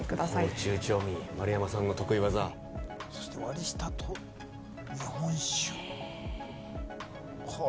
口中調味丸山さんの得意技そして割下と日本酒ええー